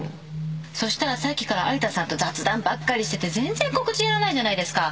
そしたらさっきから有田さんと雑談ばっかりしてて告知やらないじゃないですか！